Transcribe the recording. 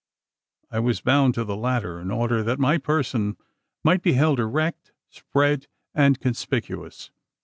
I was bound to the latter, in order that my person might be held erect, spread, and conspicuous.